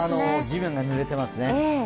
地面がぬれてますね。